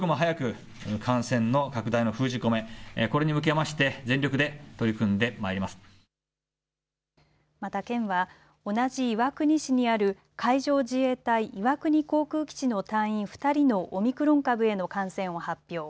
また、県は同じ岩国市にある海上自衛隊岩国航空基地の隊員２人のオミクロン株への感染を発表。